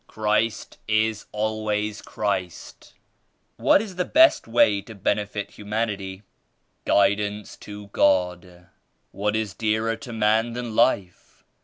Christ is always Christ." "What is the best way to benefit humanity?" "Guidance to God. What is dearer to man than life?